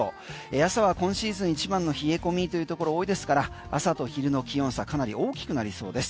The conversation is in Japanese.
朝は今シーズン一番の冷え込みというところ多いですから朝と昼の気温差かなり大きくなりそうです。